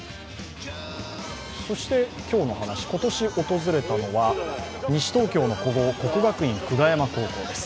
そして今日の話、今年訪れたのは、西東京の古豪、国学院久我山高校です。